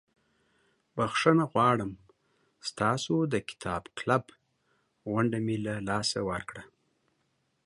بخښنه غواړم ستاسو د کتاب کلب غونډه مې له لاسه ورکړه.